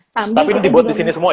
tapi dibuat disini semua ya